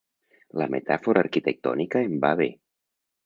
La metàfora arquitectònica em va bé.